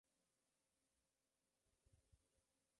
La unión a proteínas es baja, pero muy variable.